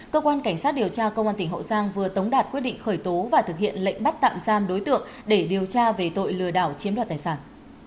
cơ quan cảnh sát điều tra công an tỉnh hậu giang vừa tống đạt quyết định khởi tố và thực hiện lệnh bắt tạm giam đối tượng để điều tra về tội lừa đảo chiếm đoạt tài sản